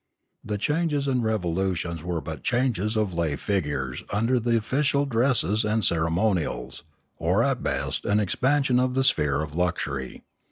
The changes and revolutions were but changes of lay figures under the official dresses and ceremonials, or at best an expansion of the sphere of luxury.